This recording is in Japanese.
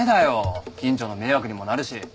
近所の迷惑にもなるし。